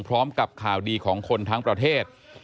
พร้อมกับข่าวดีของคนทั้งประเทศ